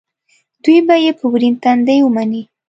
دوی به یې په ورین تندي ومني.